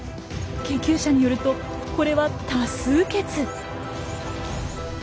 研究者によるとこれは多数決。